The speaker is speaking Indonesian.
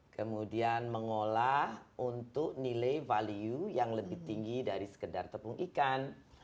kemudian mengolah untuk nilai value yang lebih tinggi dari sekedar tepung ikan